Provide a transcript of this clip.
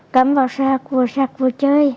cắm vào sạc vừa sạc vừa chơi